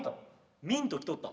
ミント来とった？